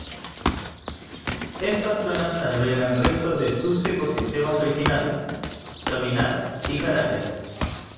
Estas zonas albergan restos de sus ecosistemas originales: sabinar y jarales.